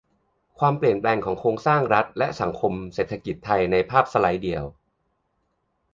ความเปลี่ยนแปลงของโครงสร้างรัฐ และ สังคม-เศรษฐกิจไทย ในภาพสไลด์เดียว